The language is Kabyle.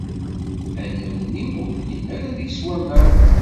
Anu-nni ur llin ara deg-s waman.